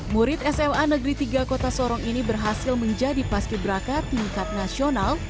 murid sma negeri tiga kota sorong ini berhasil menjadi paski braka tingkat nasional